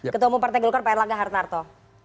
ketua umum partai golkar pak erlangga hartarto